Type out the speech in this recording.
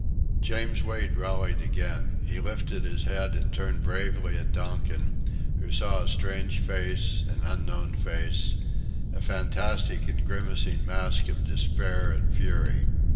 James Wait rallied again. He lifted his head and turned bravely at Donkin, who saw a strange face, an unknown face, a fantastic and grimacing mask of despair and fury.